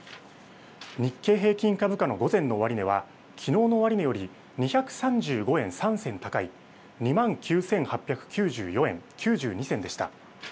日経平均株価の午前の終値はきのうの終値より２３５円３銭高い２万９８９４円９２銭でした。